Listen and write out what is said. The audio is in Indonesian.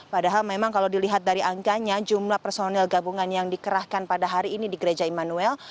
padahal memang kalau dilihat dari angkanya jumlah personil gabungan yang dikerahkan pada hari ini di gereja immanuel